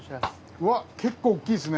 うわっ結構大きいですね。